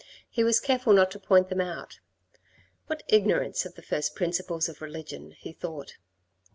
He was careful not to point them out. " What ignorance of the first principles of religion," he thought.